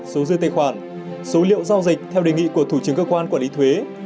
số dư tài khoản số liệu giao dịch theo đề nghị của thủ trưởng cơ quan quản lý thuế